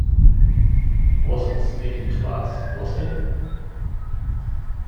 Wasn't speaking to us, was he?